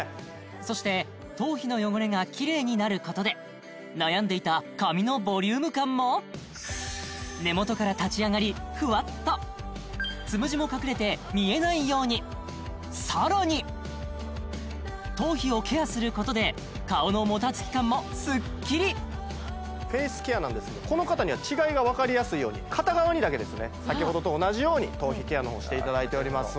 そして頭皮の汚れがキレイになることで悩んでいた髪のボリューム感も根元から立ち上がりふわっとつむじも隠れて見えないようにさらに頭皮をケアすることで顔のもたつき感もスッキリフェイスケアなんですけどこの方には違いが分かりやすいように片側にだけですね先ほどと同じように頭皮ケアの方していただいております